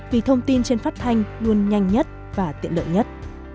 vì thông tin trên phát thanh luôn nhanh nhất và tiện lợi nhất